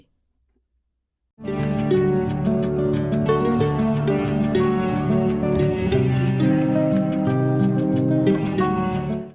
hãy đăng ký kênh để ủng hộ kênh của mình nhé